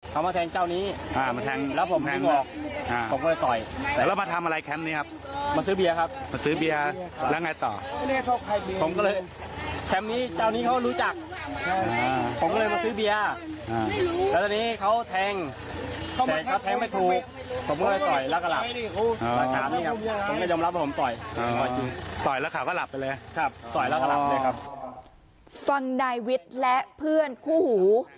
นายวิทย์และเพื่อนคู่หู